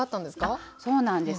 あそうなんです。